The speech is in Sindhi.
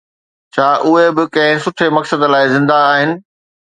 ڇا اهي به ڪنهن سٺي مقصد لاءِ زنده آهن؟